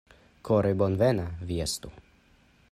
Kore bonvena vi estu!